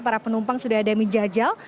para penumpang sudah ada mijajal